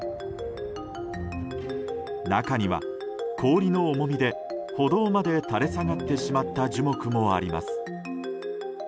中には氷の重みで歩道まで垂れ下がってしまった樹木もあります。